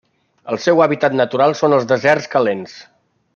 El seu hàbitat natural són els deserts calents.